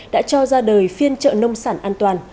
đã cho ra đời phiên trợ nông sản an toàn